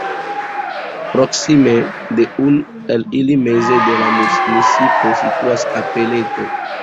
Proksime de un el ili, meze de la municipo, situas kapeleto.